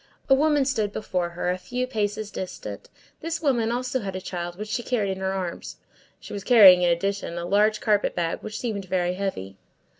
A woman stood before her, a few paces distant. This woman also had a child, which she carried in her arms. She was carrying, in addition, a large carpet bag, which seemed very heavy.